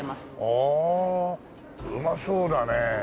ああうまそうだね。